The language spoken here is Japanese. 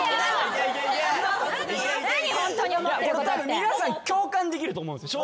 皆さん共感できると思う正直。